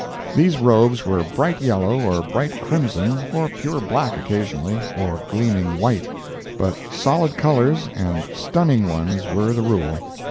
These robes were bright yellow, or bright crimson, or pure black occasionally, or gleaming white; but "solid colors" and "stunning" ones were the rule.